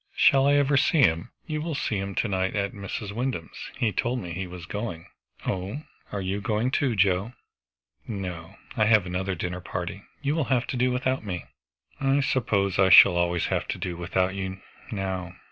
"Shall I ever see him?" "You will see him to night at Mrs. Wyndham's; he told me he was going." "Oh are you going too, Joe?" "No. I have another dinner party. You will have to do without me." "I suppose I shall always have to do without you, now."